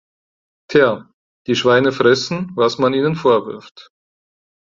Tja, die Schweine fressen, was man ihnen vorwirft.